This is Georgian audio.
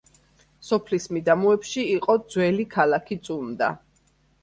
სოფლის მიდამოებში იყო ძველი ქალაქი წუნდა.